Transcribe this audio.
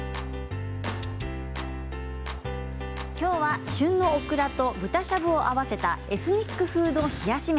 きょうは旬のオクラと豚しゃぶを合わせたエスニック風の冷やし麺。